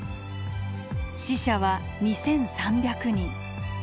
死者は２，３００人。